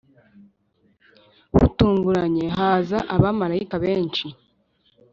Butunguranye haza abamarayika benshi